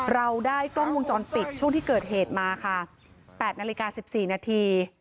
เราได้กล้องวงจรปิดช่วงที่เกิดเหตุมาค่ะ๘นาฬิกา๑๔นาที